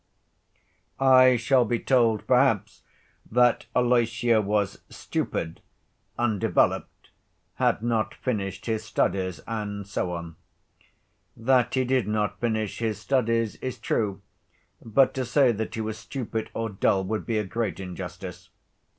I shall be told, perhaps, that Alyosha was stupid, undeveloped, had not finished his studies, and so on. That he did not finish his studies is true, but to say that he was stupid or dull would be a great injustice.